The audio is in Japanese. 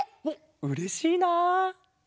おっうれしいな！